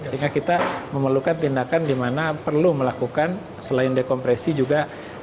sehingga kita memerlukan tindakan di mana perlu melakukan selain dekompresi juga